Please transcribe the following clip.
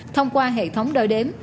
thông qua hệ thống đo đếm